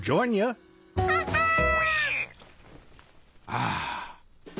ああ。